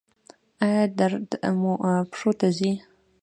ایا درد مو پښو ته ځي؟